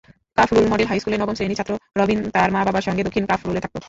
Kafrul model হাইস্কুলের নবম শ্রেণির ছাত্র রবিন তার মা-বাবার সঙ্গে দক্ষিণ কাফরুলে থাকত।